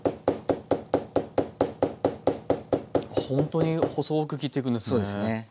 ほんとに細く切っていくんですね。